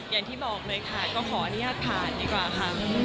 อย่างที่บอกเลยค่ะก็ขออนุญาตผ่านดีกว่าค่ะ